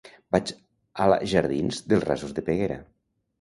Vaig a la jardins dels Rasos de Peguera.